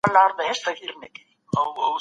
مثبت فکر کار نه دروي.